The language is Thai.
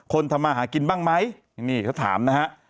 ทำมาหากินบ้างไหมนี่เขาถามนะฮะ